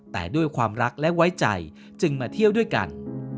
แต่ด้วยความรักและไว้ใจจึงมาเที่ยวด้วยกัน